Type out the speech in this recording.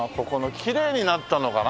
きれいになったのかな？